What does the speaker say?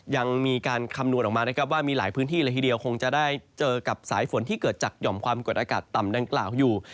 ยังมีการคำนวณออกมานะครับว่ามีหลายพื้นที่เลยทีเดียวคงจะได้เจอกับสายฝนที่เกิดจากหย่อมความกดอากาศต่ำดังกล่าวอยู่